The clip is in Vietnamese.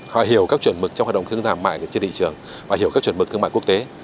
họ hiểu các chuẩn mực trong hoạt động thương mại trên thị trường và hiểu các chuẩn mực thương mại quốc tế